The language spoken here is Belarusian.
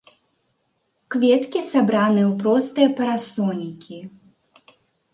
Кветкі сабраныя ў простыя парасонікі.